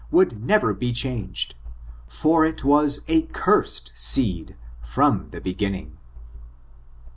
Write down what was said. would never be changed ; for it was a ^cursed seed^^ from the beginning.